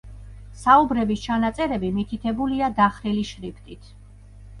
საუბრების ჩანაწერები მითითებულია დახრილი შრიფტით.